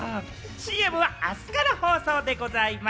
ＣＭはあすから放送でございます。